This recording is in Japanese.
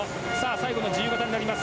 最後の自由形になります。